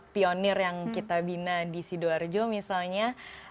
pionir yang kita bina di sidoarjo misalnya